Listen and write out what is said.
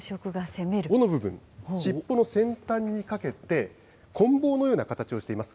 尾の部分、尻尾の先端にかけて、こん棒のような形をしています。